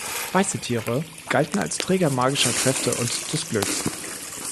Weiße Tiere galten als Träger magischer Kräfte und des Glücks.